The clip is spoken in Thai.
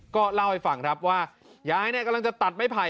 ก็เล่าให้ฟังครับว่ายายเนี่ยกำลังจะตัดไม้ไผ่